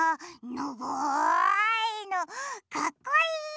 ながいのかっこいい！